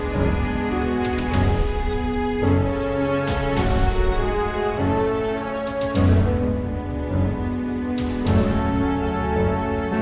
kau juga nanti mati